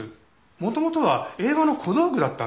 元々は映画の小道具だったんです。